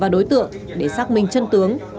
đối tượng để xác minh chân tướng